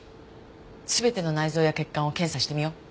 全ての内臓や血管を検査してみよう。